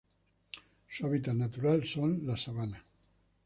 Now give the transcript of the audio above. Su hábitat natural son: las sabanas.